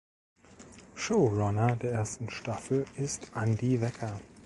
Showrunner der ersten Staffel ist Andi Wecker.